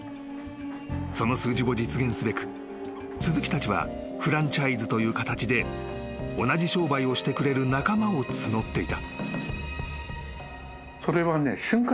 ［その数字を実現すべく鈴木たちはフランチャイズという形で同じ商売をしてくれる仲間を募っていた］